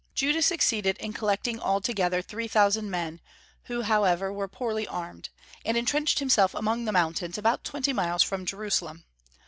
Judas succeeded in collecting altogether three thousand men, who however were poorly armed, and intrenched himself among the mountains, about twenty miles from Jerusalem.